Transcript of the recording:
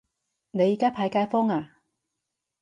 你而家派街坊呀